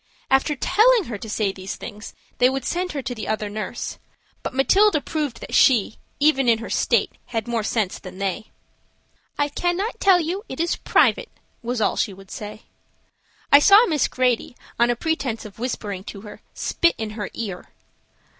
After telling her to say these things they would send her to the other nurse, but Matilda proved that she, even in her state, had more sense than they. "I cannot tell you. It is private," was all she would say. I saw Miss Grady, on a pretense of whispering to her, spit in her ear.